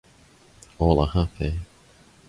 All are happy.